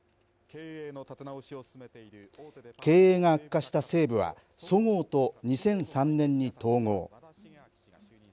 経営が悪化した西武は、そごうと２００３年に統合。